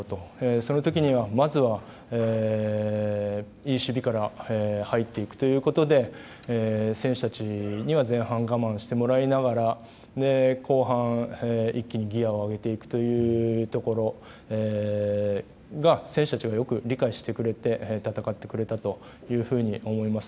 その時には、まずはいい守備から入っていくということで選手たちには前半、我慢してもらいながら後半一気にギアを上げていくというところが選手たちはよく理解してくれて戦ってくれたと思います。